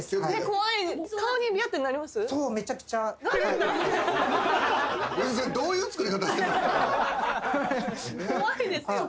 怖いですよ。